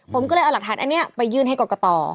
ผมก็เลยเอาหลักฐานอันนี้ไปยื่นให้กรกต